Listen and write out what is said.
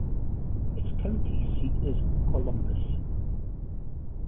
Its county seat is Columbus.